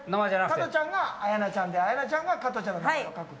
加トちゃんが綾菜ちゃんで綾菜ちゃんが加トちゃんの名前を書く。